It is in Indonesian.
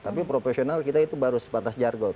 tapi profesional kita itu baru sebatas jargon